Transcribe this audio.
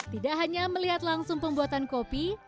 tidak hanya melihat langsung pembuatan kopi